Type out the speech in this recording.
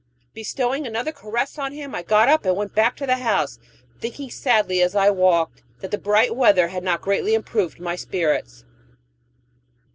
Bestowing another caress on him I got up and went back to the house, thinking sadly as I walked that the bright weather had not yet greatly improved my spirits.